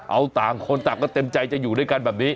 เอาต่างคนต่างก็เต็มใจจะอยู่ด้วยกันแบบนี้